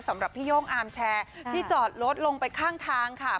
สำหรับพี่โย่งอาร์มแชร์ที่จอดรถลงไปข้างทางค่ะ